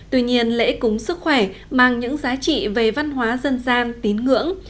tuy nhiên lễ cúng sức khỏe mang những giá trị về văn hóa dân gian tín ngưỡng